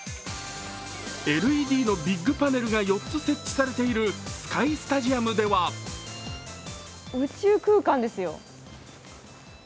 ＬＥＤのビッグパネルが４つ設置されているスカイスタジアムでは宇宙空間ですよ。